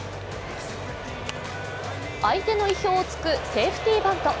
相手の意表をつくセーフティバント。